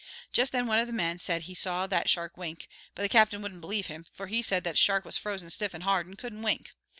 Just then one of the men said he saw that shark wink, but the captain wouldn't believe him, for he said that shark was frozen stiff and hard and couldn't wink.